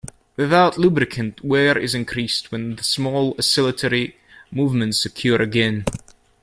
Without lubricant, wear is increased when the small oscillatory movements occur again.